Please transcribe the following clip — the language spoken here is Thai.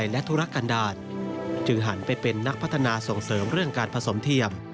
และพัฒนาส่งเสริมเรื่องการผสมเทียม